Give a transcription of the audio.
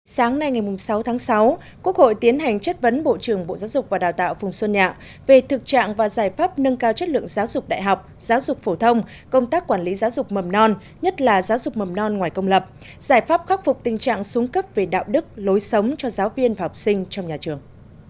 sáng nay ngày sáu tháng sáu quốc hội tiến hành chất vấn bộ trưởng bộ giáo dục và đào tạo phùng xuân nhạ về thực trạng và giải pháp nâng cao chất lượng giáo dục đại học giáo dục phổ thông công tác quản lý giáo dục mầm non nhất là giáo dục mầm non ngoài công lập giải pháp khắc phục tình trạng xuống cấp về đạo đức lối sống cho giáo viên và học sinh trong nhà trường